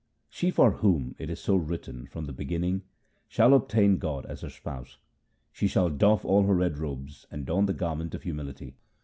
She for whom it is so written from the beginning, shall obtain God as her Spouse. She shall doff all her red robes and don the garment of humility.